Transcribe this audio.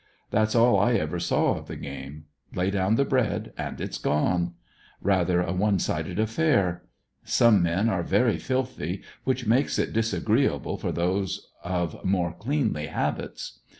That's all I ever saw of the game. Lay down the bread and it's gone. Kather a one sided affair. Some men are very filthy, which makes it disagreeable for those of more cleanly habits.